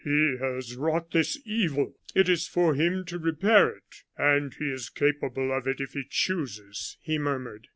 "He has wrought this evil; it is for him to repair it! And he is capable of it if he chooses," he murmured.